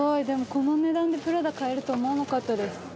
でもこの値段でプラダ買えると思わなかったです。